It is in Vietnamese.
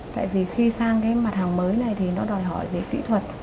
tại vì khi sang cái mặt hàng mới này thì nó đòi hỏi về kỹ thuật